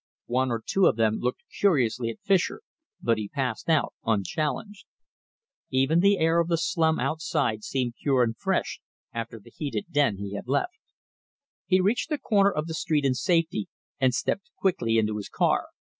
One or two of them looked curiously at Fischer, but he passed out, unchallenged. Even the air of the slum outside seemed pure and fresh after the heated den he had left. He reached the corner of the street in safety and stepped quickly into his car.